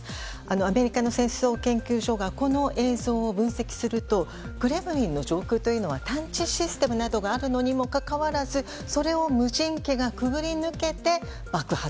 アメリカの戦争研究所がこの映像を分析するとクレムリンの上空というのは探知システムなどがあるのにもかかわらずそれを無人機が潜り抜けて爆発。